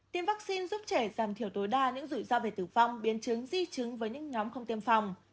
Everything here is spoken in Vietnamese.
tiêm vaccine giúp trẻ giảm thiểu tối đa những rủi ro về tử vong biến chứng di chứng với những nhóm không tiêm phòng